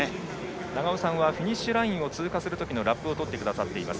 永尾さんはフィニッシュラインを通過するときのラップをとってくださっています。